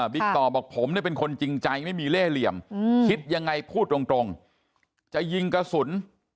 ต่อบอกผมเนี่ยเป็นคนจริงใจไม่มีเล่เหลี่ยมคิดยังไงพูดตรงจะยิงกระสุน